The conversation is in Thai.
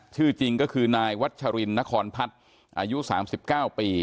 ชื่อจริงก็คือนายวัชรินนครพัฒน์อายุ๓๙ปี